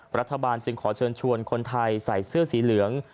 รัฐบาลจึงขอเชิญชวนคนไทยใส่เสื้อสีเหลือง